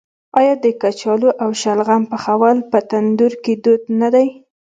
آیا د کچالو او شلغم پخول په تندور کې دود نه دی؟